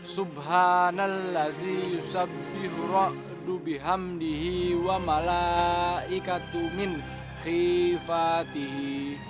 subhanallazim yusabih ra'du bihamdihi wa malaikatun min khifatihi